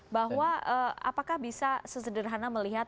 bahwa apakah bisa sesederhana melihat